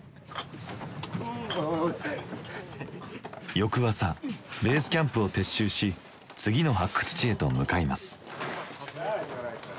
翌朝ベースキャンプを撤収し次の発掘地へと向かいます。